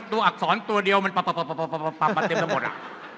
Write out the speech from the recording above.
อักษรตัวเดียวมันปับมันเต็มไปหมดอ่ะ